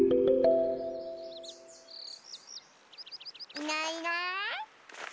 いないいない。